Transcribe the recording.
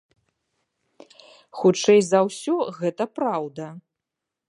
Хутчэй за ўсё, гэта праўда.